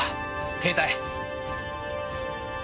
携帯！